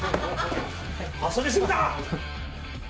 遊び過ぎたか。